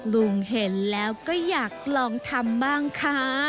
ลุงเห็นแล้วก็อยากลองทำบ้างค่ะ